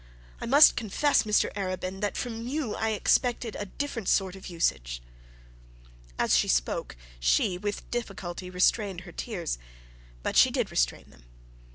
I must confess, Mr Arabin, that from you I expected a different sort of usage.' As she spoke she with difficulty restrained her tears; but she did restrain them.